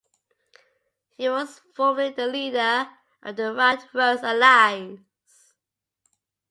He was formerly the leader of the Wildrose Alliance.